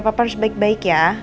papa harus baik baik ya